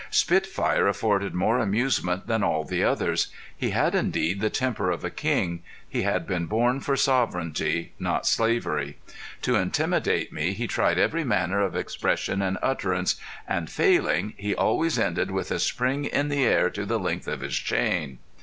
Spitfire afforded more amusement than all the others. He had indeed the temper of a king; he had been born for sovereignty, not slavery. To intimidate me he tried every manner of expression and utterance, and failing, he always ended with a spring in the air to the length of his chain.